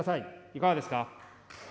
いかがですか。